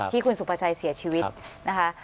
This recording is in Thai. ที่คุณสุภาชัยเสียชีวิตนะคะ